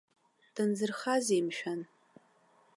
Дынзырхазеи, мшәан?